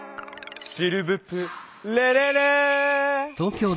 シルヴプレレレ！